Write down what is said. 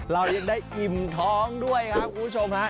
เรายังได้อิ่มท้องด้วยครับคุณผู้ชมฮะ